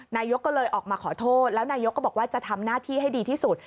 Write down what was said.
นายกก็เลยออกมาขอโทษแล้วนายกก็บอกว่าจะทำหน้าที่ให้ดีที่สุด